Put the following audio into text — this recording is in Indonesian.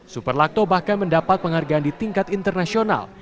superlakto bahkan mendapat penghargaan di tingkat internasional